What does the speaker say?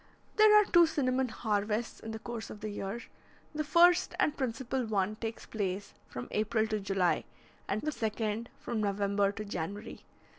There are two cinnamon harvests in the course of the year. The first and principal one takes place from April to July, and the second from November to January.